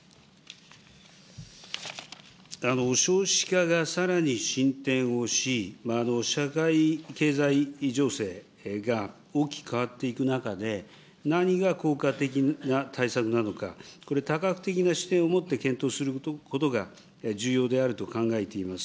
少子化がさらに進展をし、社会経済情勢が大きく変わっていく中で、何が効果的な対策なのか、これ、多角的な視点を持って検討することが重要であると考えています。